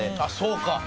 あっそうか。